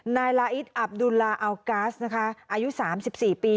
นายละอิดอับดูลลาอัลกาสนะคะอายุสามสิบสี่ปี